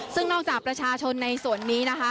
ซึ่งนอกจากประชาชนในส่วนนี้นะคะ